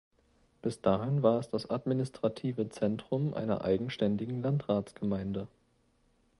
Bis dahin war es das administrative Zentrum einer eigenständigen Landratsgemeinde.